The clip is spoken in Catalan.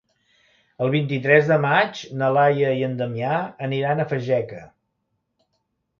El vint-i-tres de maig na Laia i en Damià aniran a Fageca.